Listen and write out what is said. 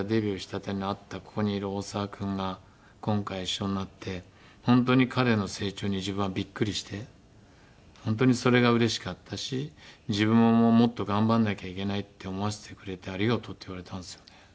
ここにいる大沢君が今回一緒になって本当に彼の成長に自分はビックリして本当にそれがうれしかったし自分ももっと頑張らなきゃいけないって思わせてくれてありがとう」って言われたんですよね。